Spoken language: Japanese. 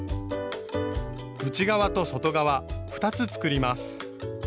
内側と外側２つ作ります。